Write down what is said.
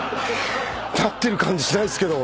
⁉なってる感じしないですけど。